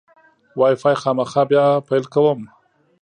وای فای خامخا بیا پیل کوم.